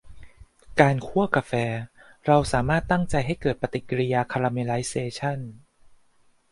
การคั่วกาแฟ เราสามารถตั้งใจให้เกิดปฏิกริยาคาราเมลไลเซชั่น